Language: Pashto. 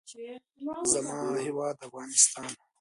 زما هېواد افغانستان.